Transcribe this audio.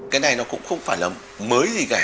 cái này nó cũng không phải là mới gì cả